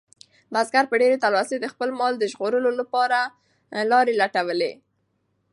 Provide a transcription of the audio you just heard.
بزګر په ډېرې تلوسې د خپل مال د ژغورلو لپاره لارې لټولې.